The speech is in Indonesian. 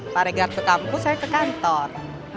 pak regar ke kampus saya ke kantor